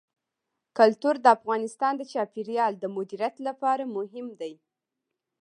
کلتور د افغانستان د چاپیریال د مدیریت لپاره مهم دي.